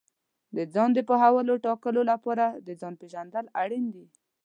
د ځان د پولو ټاکلو لپاره د ځان پېژندل اړین دي.